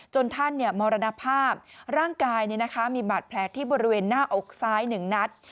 ท่านมรณภาพร่างกายมีบาดแผลที่บริเวณหน้าอกซ้าย๑นัด